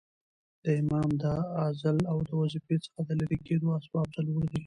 د امام د عزل او د وظیفې څخه د ليري کېدو اسباب څلور دي.